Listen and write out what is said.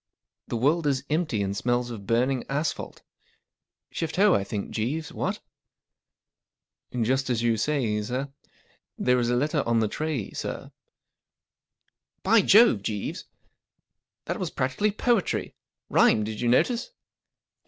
The world is empty and smells of burning asphalt. Shift*ho, I think, Jeeves, wfcat ? M ,4 Just as yon say, dr. There is a letter on the tray, sir/ 1 " By Jove, Jeeves* that was practically poetry. Rhymed, did you notice